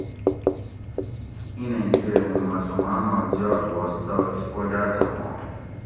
اِینیں کیر اُوں معصوماۤناں زیات واسطہ اِسپوجاۤ سہ ہواں